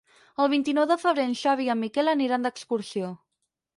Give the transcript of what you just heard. El vint-i-nou de febrer en Xavi i en Miquel aniran d'excursió.